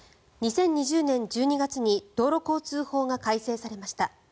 ２０２０年１２月に道路交通法が改正されました。